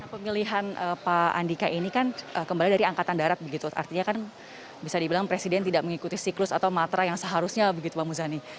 pemilihan pak andika ini kan kembali dari angkatan darat begitu artinya kan bisa dibilang presiden tidak mengikuti siklus atau matra yang seharusnya begitu pak muzani